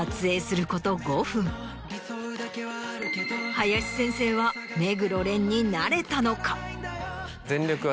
林先生は目黒蓮になれたのか？